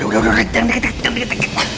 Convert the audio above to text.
yaudah udah jangg dikit